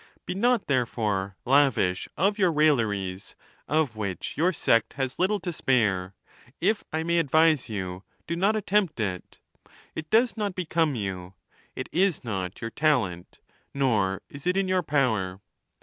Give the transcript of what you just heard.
Be not, therefore, lavish of your railleries, of which your sect has little to spare : if I may advise you, do not attempt it. It does not become you, it is not your talent, nor is it in your power.